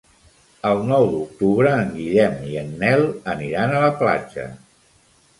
El nou d'octubre en Guillem i en Nel aniran a la platja.